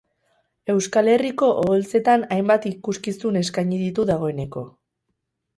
Euskal Herriko oholtzetan hainbat ikuskizun eskaini ditu dagoeneko.